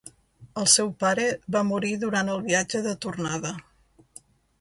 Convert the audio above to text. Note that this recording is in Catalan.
El seu pare va morir durant el viatge de tornada.